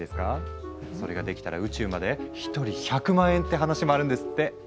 それができたら宇宙まで１人１００万円って話もあるんですって。